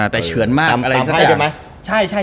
แต่เฉือนมากอะไรสักอย่าง